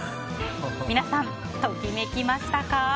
皆さん、ときめきましたか？